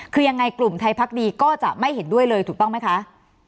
คือยังไงกลุ่มไทยพักดีก็จะไม่เห็นด้วยเลยถูกต้องไหมคะ